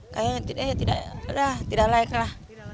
kayaknya tidak layak lah